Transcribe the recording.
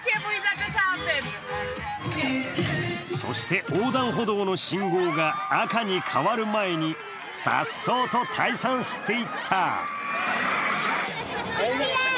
そして横断歩道の信号が赤に変わる前に、さっそうと退散していった。